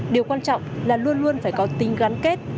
điều quan trọng là luôn luôn phải có tính gắn kết